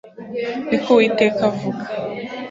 ni ko uwiteka avuga